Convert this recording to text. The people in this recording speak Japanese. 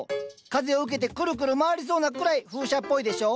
風を受けてクルクル回りそうなくらい風車っぽいでしょ？